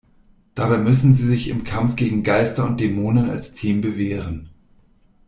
Dabei müssen sie sich im Kampf gegen Geister und Dämonen als Team bewähren.